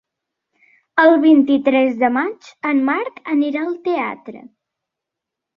El vint-i-tres de maig en Marc anirà al teatre.